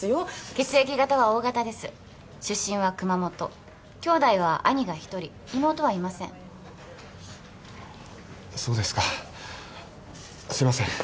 血液型はＯ型です出身は熊本兄弟は兄が一人妹はいませんそうですかすいません